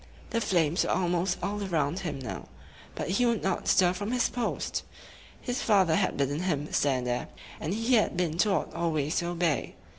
The flames were almost all around him now; but he would not stir from his post. His father had bidden him stand there, and he had been taught always to obey.